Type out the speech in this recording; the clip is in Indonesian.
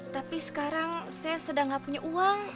tapi sekarang saya sedang tidak punya uang